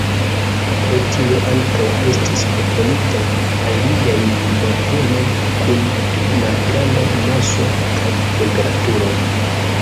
Pro tio, ankaŭ estis proponitaj aliaj modeloj kun pli malgrandaj masoj kaj temperaturoj.